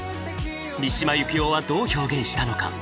三島由紀夫はどう表現したのか？